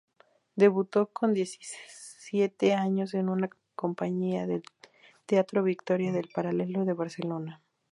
Debutó con diecisiete años en una compañía del Teatro Victoria del Paralelo de Barcelona.